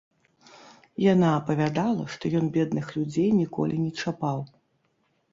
Яна апавядала, што ён бедных людзей ніколі не чапаў.